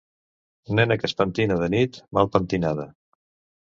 Nena que es pentina de nit, mal pentinada.